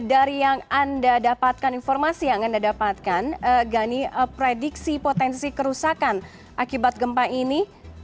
dari yang anda dapatkan informasi yang anda dapatkan gani prediksi potensi kerusakan akibat gempa ini